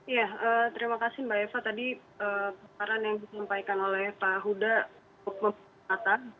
ya terima kasih mbak eva tadi perparan yang disampaikan oleh pak huda untuk memperbatas